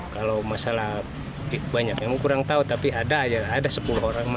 kalau masalah banyak memang kurang tahu tapi ada sepuluh orang